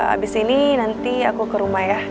abis ini nanti aku ke rumah ya